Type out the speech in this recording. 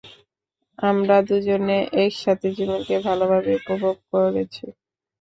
আমরা দুজনে একসাথে জীবনকে ভালোভাবে উপভোগ করেছি।